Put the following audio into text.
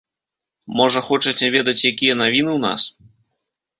Можа, хочаце ведаць, якія навіны ў нас?